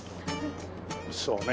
そうね